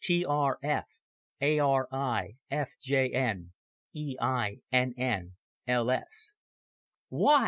T R F A R I F J N E I N N L S "Why!"